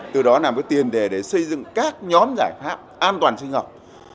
từ đó làm cái tiền để xây dựng các nhóm giải pháp an toàn sinh học